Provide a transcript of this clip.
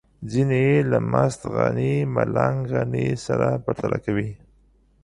ځينې يې له مست غني ملنګ غني سره پرتله کوي.